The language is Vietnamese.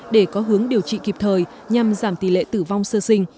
để có hướng điều trị kịp thời nhằm giảm tỷ lệ tử vong sơ sinh